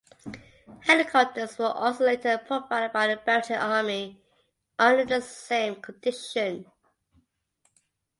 Helicopters were also later provided by the Belgian Army under the same condition.